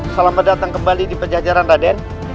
selamat datang kembali di pejajaran raden